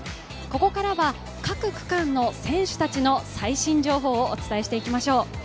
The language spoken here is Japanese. ここからは各区間の選手たちの最新情報をお伝えしていきましょう。